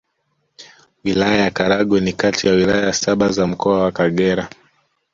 Wilaya ya Karagwe ni kati ya Wilaya saba za Mkoa wa Kagera